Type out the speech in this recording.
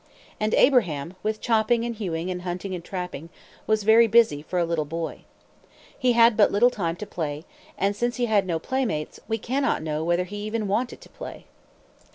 And Abraham, with chopping and hewing and hunting and trapping, was very busy for a little boy. He had but little time to play; and, since he had no playmates, we cannot know whether he even wanted to play.